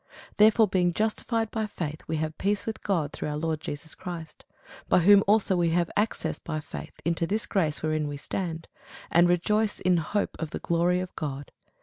Therefore being justified by faith, we have peace with God through our Lord Jesus Christ: by whom also we have access by faith into this grace wherein we stand, and rejoice in hope of the glory of God.